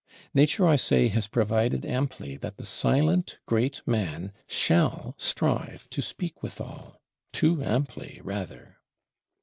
Nature, I say, has provided amply that the silent great man shall strive to speak withal; too amply, rather!